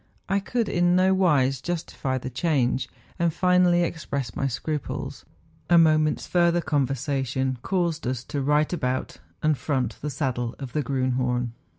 I could in no wise justify the change, and finally expressed my scruples. A moment's further conversation caused us to ' right about,' and front the saddle of the Griinhorn.